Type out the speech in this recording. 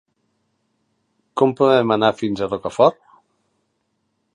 Com podem anar fins a Rocafort?